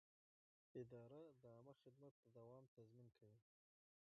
اداره د عامه خدمت د دوام تضمین کوي.